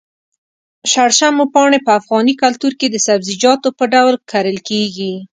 شړشمو پاڼې په افغاني کلتور کې د سبزيجاتو په ډول کرل کېږي.